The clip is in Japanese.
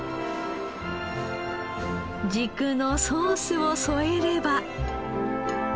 軸のソースを添えれば。